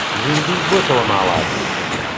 زیندوو بۆتەوە ماڵات